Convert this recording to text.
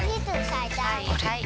はいはい。